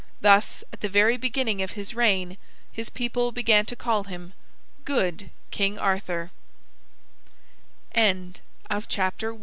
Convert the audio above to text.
Thus, at the very beginning of his reign, his people began to call him ="Good King Arthur"= THE